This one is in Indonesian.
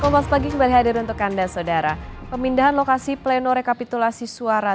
selamat pagi kembali hadir untuk anda saudara pemindahan lokasi pleno rekapitulasi suara